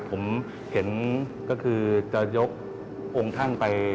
ผมเห็นก็คือจะยกองค์ท่านไป